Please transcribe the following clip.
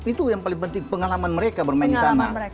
itu yang paling penting pengalaman mereka bermain di sana